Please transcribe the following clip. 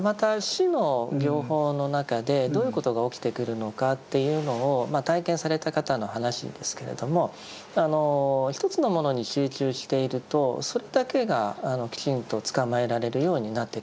「止」の行法の中でどういうことが起きてくるのかというのを体験された方の話ですけれども一つのものに集中しているとそれだけがきちんとつかまえられるようになってきます。